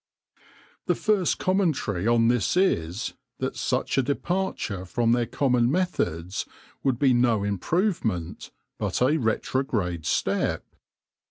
The first commentary on this is, that such a departure from their common methods would be no improvement, but a retrograde step.